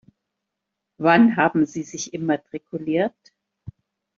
Wann haben Sie sich immatrikuliert?